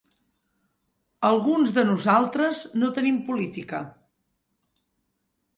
Alguns de nosaltres no tenim política.